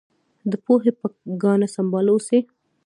د پوهې په ګاڼه سمبال اوسئ.